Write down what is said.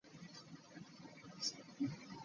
Nange nkakasa ababbi bangi wano.